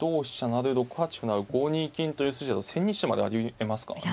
成６八歩成５二金という筋だと千日手までありえますからね。